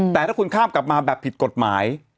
แต่ถ้าคุณข้ามกลับมาแบบผิดกฎหมาย